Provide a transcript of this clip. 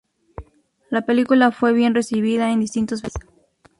La película fue bien recibida en distintos festivales.